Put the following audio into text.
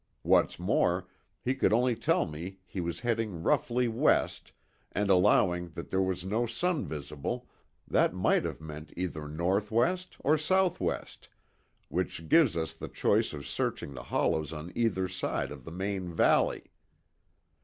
What's more, he could only tell me he was heading roughly west and allowing that there was no sun visible, that might have meant either north west or south west, which gives us the choice of searching the hollows on either side of the main valley.